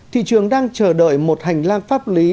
thị trường đang chờ đợi một hành lang pháp lý